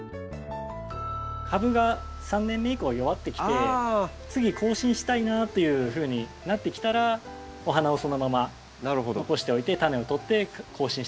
株が３年目以降は弱ってきて次更新したいなというふうになってきたらお花をそのまま残しておいてタネをとって更新して下さい。